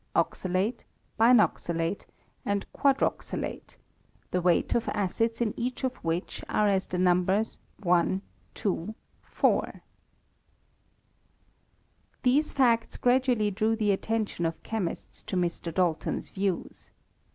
oxalate, biaoxalate, and quadroxalate ; the weight of acids in each of which are as the numbers 1,2,4. OF THE ATOMIC THEORY. ^3 These facts gradually drew the attention of chemists to Mr. Dalton's views.